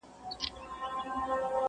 o هغې ته د پخوانۍ پېښې سيوری